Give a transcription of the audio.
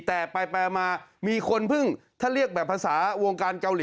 แต่ไปมามีคนเพิ่งถ้าเรียกแบบภาษาวงการเกาหลี